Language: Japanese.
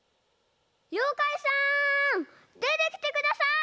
ようかいさんでてきてください！